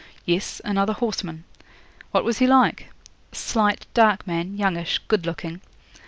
'"Yes, another horseman." '"What was he like?" '"Slight, dark man, youngish, good looking."